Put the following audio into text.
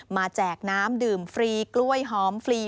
แจกน้ำดื่มฟรีกล้วยหอมฟรี